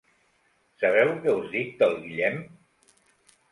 Sabeu què us dic del Guillem?